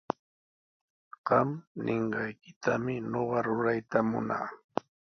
Qam ninqaykitami ñuqa rurayta munaa.